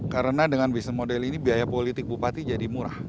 karena dengan bisnis model ini biaya politik bupati jadi murah